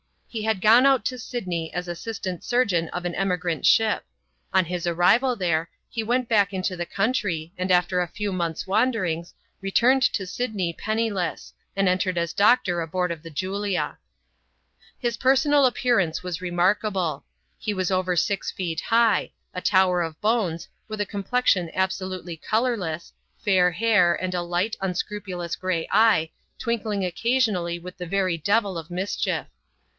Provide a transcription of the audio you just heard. He had gone out to Sydney as assistant surgeon of an emigrant ship. On his arrival there, he went back into the country, and after a few months' wanderings, re turned to Sydney penniless, and entered as doctor aboard of the Julia. His personal appearance was remarkable. He was over six feet high — a tower of bones, with a complexion absolutely colourless, fair hair, and a light, unscrupulous gray eye, twink ling occasionally with the very devil of mischief.